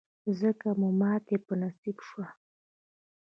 ځکه مو ماتې په نصیب شوه.